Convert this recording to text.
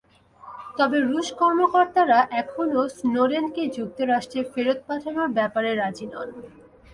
তবে রুশ কর্মকর্তারা এখনো স্নোডেনকে যুক্তরাষ্ট্রে ফেরত পাঠানোর ব্যাপারে রাজি নন।